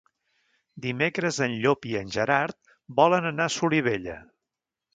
Dimecres en Llop i en Gerard volen anar a Solivella.